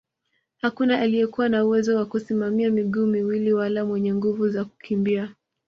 Hakuna aliyekuwa na uwezo wa kusimamia miguu miwili wala mwenye nguvu za kukimbia